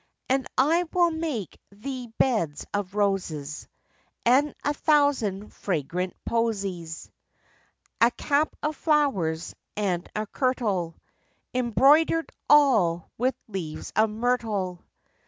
And I will make thee beds of roses, And a thousand fragrant posies: A cap of flowers, and a kirtle, Embroider'd all with leaves of myrtle.